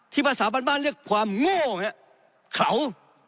ที่ภาษาบ้านเรียกความโง่ข่าว